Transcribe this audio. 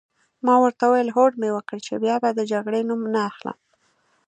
ما ورته وویل: هوډ مي وکړ چي بیا به د جګړې نوم نه اخلم.